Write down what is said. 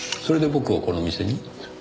それで僕をこの店に？